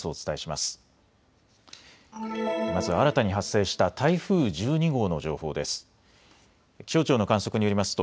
まず新たに発生した台風１２号の情報です。